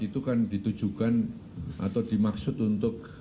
itu kan ditujukan atau dimaksud untuk